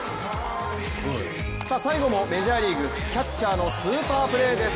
最後もメジャーリーグキャッチャーのスーパープレーです。